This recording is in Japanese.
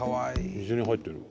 水に入ってる。